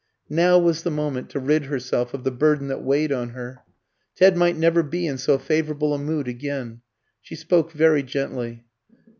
Now was the moment to rid herself of the burden that weighed on her; Ted might never be in so favourable a mood again. She spoke very gently.